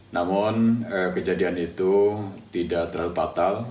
namun kejadian itu tidak terlalu fatal